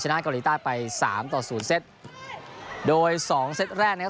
เกาหลีใต้ไปสามต่อศูนย์เซตโดยสองเซตแรกนะครับ